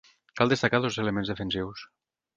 Cal destacar dos elements defensius.